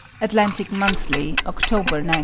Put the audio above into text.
"Atlantic Monthly," October, 1906.